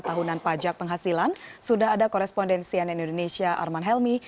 tahunan pajak penghasilan sudah ada korespondensian indonesia arman helmi